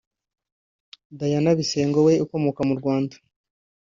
Diana Bisengo we ukomoka mu Rwanda